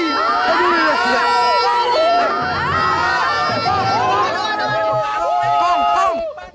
enggak enggak enggak enggak enggak